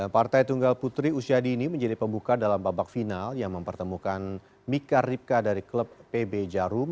partai tunggal putri usyadi ini menjadi pembuka dalam babak final yang mempertemukan mika ripka dari klub pb jarum